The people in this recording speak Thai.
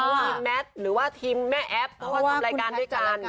เหรือว่าคุณแมทย์หรือว่าทีมแม่แอปว่าทำรายการด้วยกัน